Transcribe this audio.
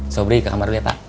sobri ke kamar boleh pak